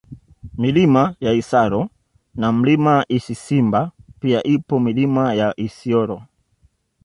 Milima ya Isaro na Mlima Isisimba pia ipo Milima ya Isyoro